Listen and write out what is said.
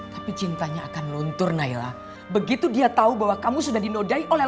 tapi cintanya akan luntur naila begitu dia tahu bahwa kamu sudah dinodai oleh